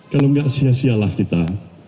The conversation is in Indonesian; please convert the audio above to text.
kalau nggak sia sialah kita